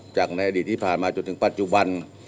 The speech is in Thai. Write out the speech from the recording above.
จากในอดีตที่ผ่านมาจนถึงปัจจุบัน